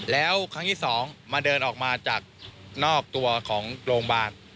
แล้วครั้งที่สองมาเดินออกมาจากนอกตัวของโรงพยาบาล